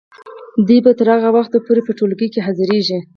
دوی به تر هغه وخته پورې په ټولګیو کې حاضریږي.